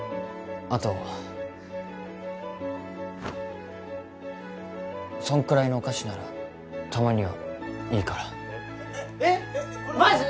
あとそのくらいのお菓子ならたまにはいいから・えっマジ？